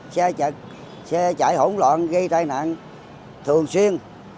xe chạy hỗn loạn gây tai nạn thường xuyên